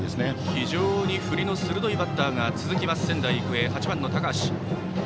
非常に振りの鋭いバッターが続きます、仙台育英。